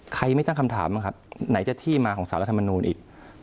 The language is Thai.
ใครไม่ตั้งคำถามนะครับไหนจะที่มาของสารธรรมนูลอีก